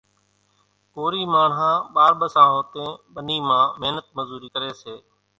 ڪورِي ماڻۿان ٻار ٻسان هوتين ٻنِي مان مينت مزورِي ڪريَ سي۔